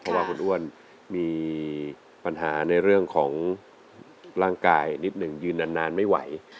เพราะว่าคุณอ้วนมีปัญหาในเรื่องของร่างกายนิดหนึ่งยืนนานไม่ไหว